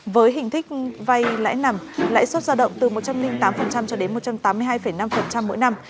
với hình thức vay lãi nặng lãi suất ra động từ một trăm linh tám cho đến một trăm tám mươi hai năm mỗi năm